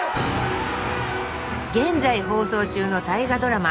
現在放送中の大河ドラマ